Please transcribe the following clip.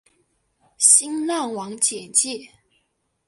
新浪网简介